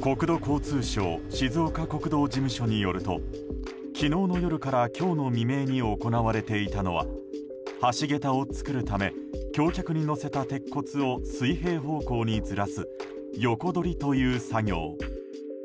国土交通省静岡国道事務所によると昨日の夜から今日の未明に行われていたのは橋げたを作るため橋脚に乗せた鉄骨を水平方向にずらす横取りという作業。